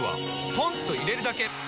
ポンと入れるだけ！